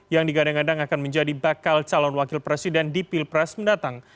yang digadang gadang akan menjadi bakal calon wakil presiden di pilpres mendatang